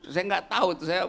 saya gak tahu